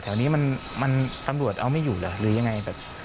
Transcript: แถวนี้มันตำรวจเอาไม่อยู่เหรอหรือยังไงแบบ